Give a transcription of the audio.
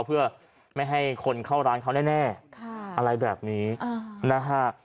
เพื่อไม่ให้คนเข้าร้านเขาแน่อะไรแบบนี้นะฮะ